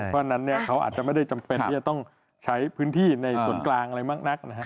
เพราะฉะนั้นเขาอาจจะไม่ได้จำเป็นจะต้องใช้พื้นที่ในส่วนกลางอะไรมากนัก